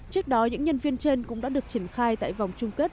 trước đó những nhân viên trên cũng đã được triển khai tại vòng chung kết